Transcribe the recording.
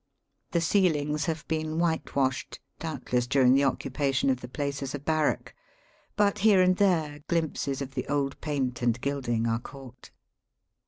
The ceilings have been whitewashed, doubt less during the occupation of the place as a barrack; but here and there glimpses of the old paint and gilding are caught.